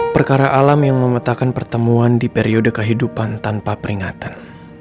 perkara alam yang memetakan pertemuan di periode kehidupan tanpa peringatan